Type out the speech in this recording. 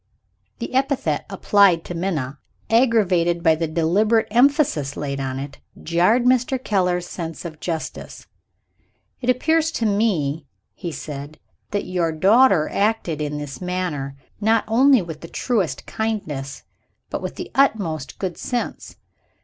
The epithet applied to Minna, aggravated by the deliberate emphasis laid on it, jarred on Mr. Keller's sense of justice. "It appears to me," he said, "that your daughter acted in this matter, not only with the truest kindness, but with the utmost good sense.